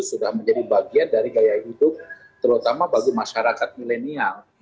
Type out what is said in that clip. sudah menjadi bagian dari gaya hidup terutama bagi masyarakat milenial